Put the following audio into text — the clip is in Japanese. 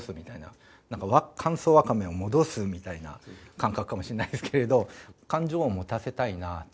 なんか、乾燥わかめを戻すみたいな感覚かもしれないんですけれども、感情を持たせたいなと。